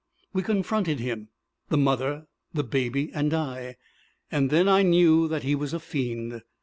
_ "We confronted him the mother, the baby, and I; and then I knew that he was a fiend.